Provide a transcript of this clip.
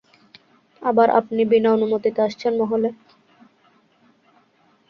আবার আপনি, বিনা অনুমতিতে, আসছেন মহলে?